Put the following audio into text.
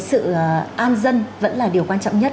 sự an dân vẫn là điều quan trọng nhất